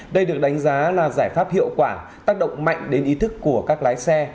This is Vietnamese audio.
đây được đánh giá là giải pháp hiệu quả tác động mạnh đến ý thức của các lái xe